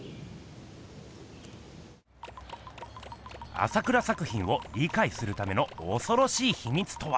朝倉作品をりかいするためのおそろしいひみつとは。